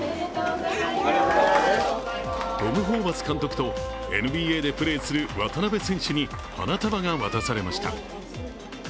トム・ホーバス監督とＮＢＡでプレーする渡邊雄太選手に花束が渡されました。